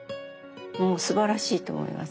もうすばらしいと思います。